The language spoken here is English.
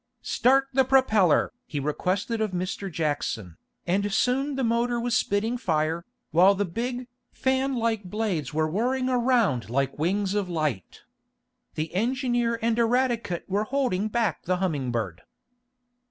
"Start the propeller!" he requested of Mr. Jackson, and soon the motor was spitting fire, while the big, fan like blades were whirring around like wings of light. The engineer and Eradicate were holding back the Humming Bird.